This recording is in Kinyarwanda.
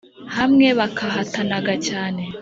hamwe bakahatanaga cyane,